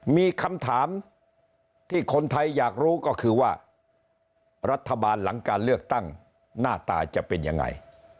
มีคำถามที่คนไทยอยากรู้ก็คือว่ารัฐบาลหลังการเลือกตั้งหน้าตาจะเป็นยังไง